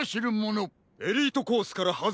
エリートコースからはずれたら。